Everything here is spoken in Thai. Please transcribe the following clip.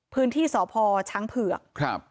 พื้นที่สพช้างเผือก